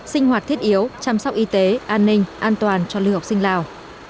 sinh hoạt thiết yếu chăm sóc y tế an ninh an toàn cho lưu học sinh lào